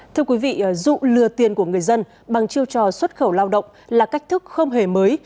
thưa quý vị dụ lừa tiền của người dân bằng chiêu trò xuất khẩu lao động là cách thức không hề mới